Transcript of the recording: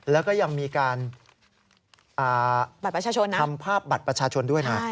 แล้วก็ยังมีการทำภาพบัตรประชาชนด้วยนะ